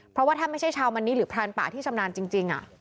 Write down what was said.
เพราะว่าถ้าไม่ใช่ชาวมันนิหรือพรานป่าที่ชำนาญจริง